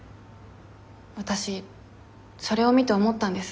わたしそれを見て思ったんです。